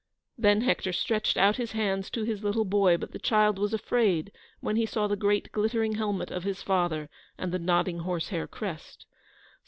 Then Hector stretched out his hands to his little boy, but the child was afraid when he saw the great glittering helmet of his father and the nodding horsehair crest.